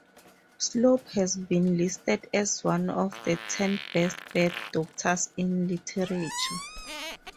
Slop has been listed as one of the "Ten Best Bad Doctors" in literature.